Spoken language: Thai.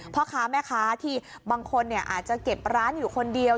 พ่อค้าแม่ค้าที่บางคนอาจจะเก็บร้านอยู่คนเดียว